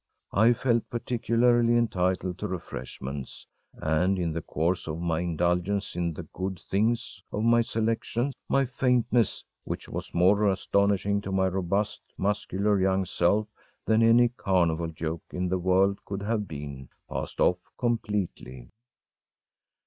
I felt particularly entitled to refreshments, and in the course of my indulgence in the good things of my selection, my faintness which was more astonishing to my robust, muscular young self than any carnival joke in the world could have been passed off completely.